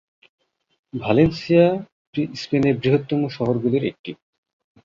Valencia স্পেনের বৃহত্তম শহরগুলির একটি।